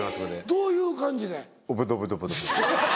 どういう感じで？